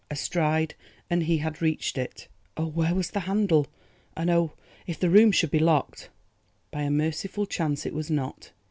A stride and he had reached it. Oh, where was the handle? and oh, if the room should be locked! By a merciful chance it was not.